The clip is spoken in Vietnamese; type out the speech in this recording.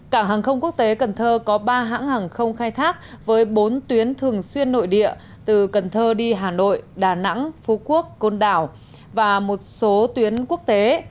cảng hàng không quốc tế cần thơ có ba hãng hàng không khai thác với bốn tuyến thường xuyên nội địa từ cần thơ đi hà nội đà nẵng phú quốc côn đảo và một số tuyến quốc tế